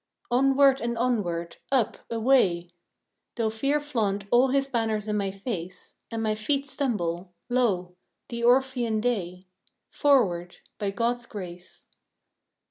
Onward and onward, up! away! Though Fear flaunt all his banners in my face, And my feet stumble, lo! the Orphean Day! Forward by God's grace!